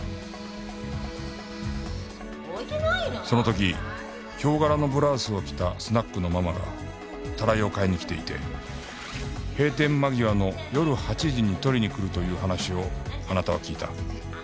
その時豹柄のブラウスを着たスナックのママがたらいを買いに来ていて閉店間際の夜８時に取りに来るという話をあなたは聞いた。